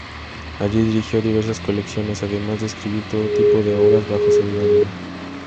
Allí dirigió diversas colecciones, además de escribir todo tipo de obras bajo seudónimo.